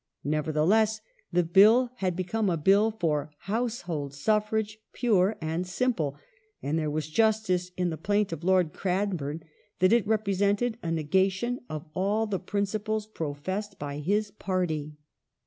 ^ Nevertheless, the Bill had become a Bill for "household suffrage, pure and simple/* and there was justice in the plaint of Lord Cran borne that it represented a negation of all the principles professed by his party.